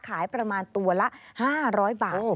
ขายประมาณตัวละ๕๐๐บาท